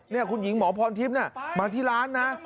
นี่คุณหญิงหมอพรทิพย์มาที่ร้านนะ